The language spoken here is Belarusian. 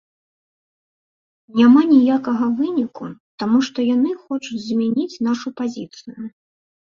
Няма ніякага выніку, таму што яны хочуць змяніць нашу пазіцыю.